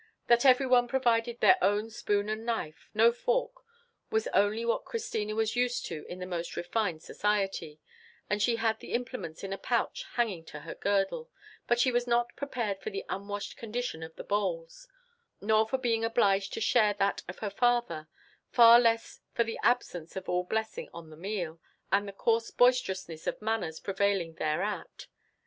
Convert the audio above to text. That every one provided their own spoon and knife—no fork—was only what Christina was used to in the most refined society, and she had the implements in a pouch hanging to her girdle; but she was not prepared for the unwashed condition of the bowls, nor for being obliged to share that of her father—far less for the absence of all blessing on the meal, and the coarse boisterousness of manners prevailing thereat.